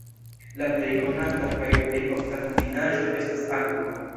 La plej konata kaj plej ofta kombinaĵo estas akvo.